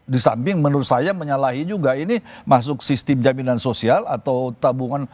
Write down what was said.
di samping menurut saya menyalahi juga ini masuk sistem jaminan sosial atau tabungan